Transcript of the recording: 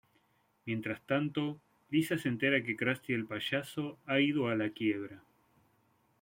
Mientras tanto, Lisa se entera que Krusty el payaso ha ido a la quiebra.